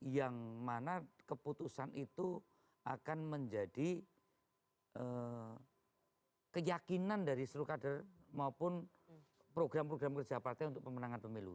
yang mana keputusan itu akan menjadi keyakinan dari seluruh kader maupun program program kerja partai untuk pemenangan pemilu